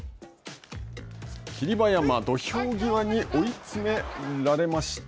霧馬山、土俵際に追い詰められました。